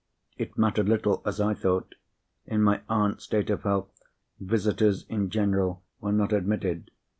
It mattered little, as I thought. In my aunt's state of health, visitors in general were not admitted.